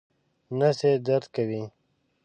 نس یې درد کوي